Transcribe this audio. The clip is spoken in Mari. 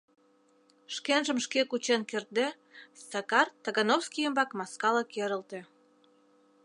Шкенжым шке кучен кертде, Сакар Тагановский ӱмбак маскала керылте.